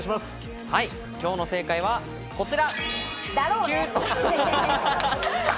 今日の正解はこちら。